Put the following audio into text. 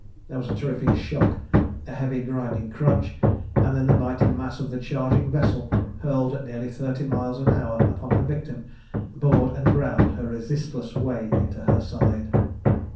There was a terrific shock, a heavy, grinding crunch, and then the mighty mass of the charging vessel, hurled at nearly thirty miles an hour upon her victim, bored and ground her resistless way into her side.